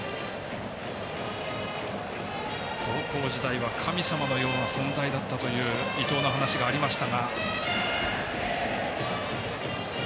高校時代は神様のような存在だったという伊藤の話がありました。